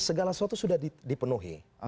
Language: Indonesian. segala sesuatu sudah dipenuhi